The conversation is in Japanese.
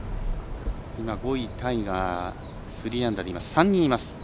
５位タイが３アンダーで３人います。